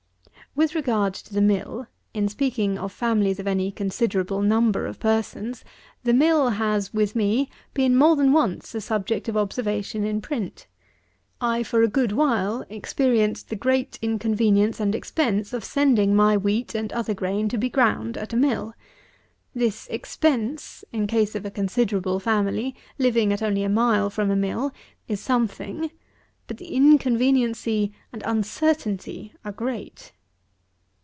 93. With regard to the mill, in speaking of families of any considerable number of persons, the mill has, with me, been more than once a subject of observation in print. I for a good while experienced the great inconvenience and expense of sending my wheat and other grain to be ground at a mill. This expense, in case of a considerable family, living at only a mile from a mill, is something; but the inconveniency and uncertainty are great.